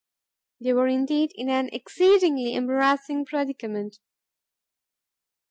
They were indeed in an exceedingly embarrassing predicament.